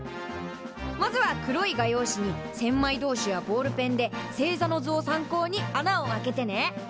まずは黒い画用紙に千枚通しやボールペンで星座の図を参考に穴を開けてね。